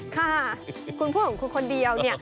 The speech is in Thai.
ค่ะคุณพูดของคุณคนเดียวเนี่ย